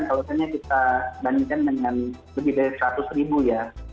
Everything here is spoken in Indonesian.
kalau kita bandingkan dengan lebih dari seratus ribu ya